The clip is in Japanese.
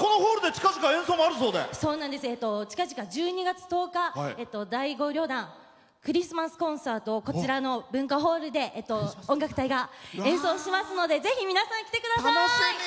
近々１２月１０日クリスマスコンサートをこちらの文化ホールで演奏しますのでぜひ皆さん来てください！